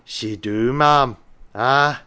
" She do, ma'am. Ah !